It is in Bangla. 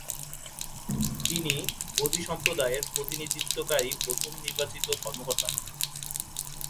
তিনি বদি সম্প্রদায়ের প্রতিনিধিত্বকারী প্রথম নির্বাচিত কর্মকর্তা হন।